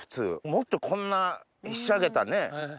もっとこんなひしゃげたね。